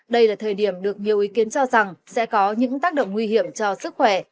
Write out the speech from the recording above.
đây là thời điểm được nhiều ý kiến cho rằng sẽ có những tác động nguy hiểm cho sức khỏe